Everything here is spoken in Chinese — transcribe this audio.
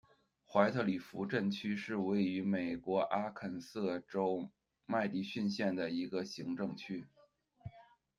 怀特里弗镇区是位于美国阿肯色州麦迪逊县的一个行政镇区。